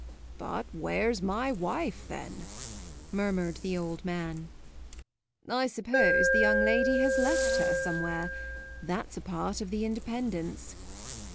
"But where's my wife then?" murmured the old man. "I suppose the young lady has left her somewhere: that's a part of the independence."